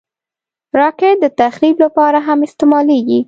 راکټ د تخریب لپاره هم استعمالېږي